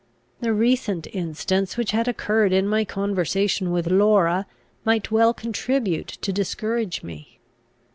The recent instance which had occurred in my conversation with Laura might well contribute to discourage me.